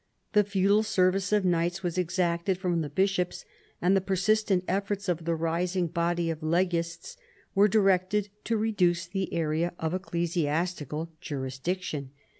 The feudal service of knights was exacted from the bishops, and the persistent efforts of the rising body of legists were directed to reduce the area of ecclesiastical jurisdiction.